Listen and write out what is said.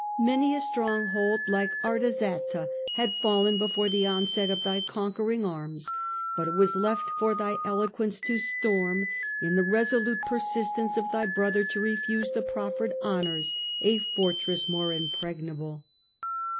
Many a stronghold like Artaxata had fallen before the onset of thy conquering arms, but it was left for thy eloquence to storm, in the resolute persistence of thy brother to refuse the proffered honours, a fortress more impregnable.'